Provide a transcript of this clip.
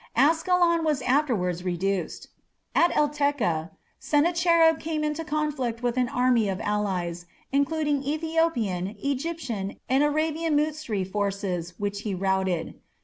Askalon was afterwards reduced. At Eltekeh Sennacherib came into conflict with an army of allies, including Ethiopian, Egyptian, and Arabian Mutsri forces, which he routed.